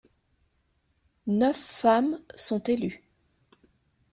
Neuf femmes sont élues.